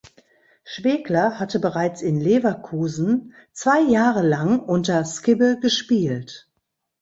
Schwegler hatte bereits in Leverkusen zwei Jahre lang unter Skibbe gespielt.